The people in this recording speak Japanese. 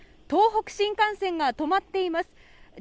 東北新幹線が止まっています。